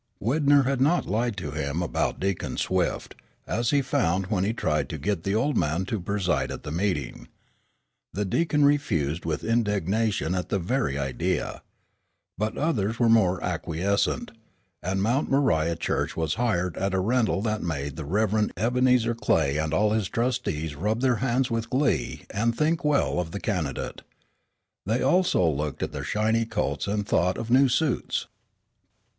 Widner had not lied to him about Deacon Swift, as he found when he tried to get the old man to preside at the meeting. The Deacon refused with indignation at the very idea. But others were more acquiescent, and Mount Moriah church was hired at a rental that made the Rev. Ebenezer Clay and all his Trustees rub their hands with glee and think well of the candidate. Also they looked at their shiny coats and thought of new suits.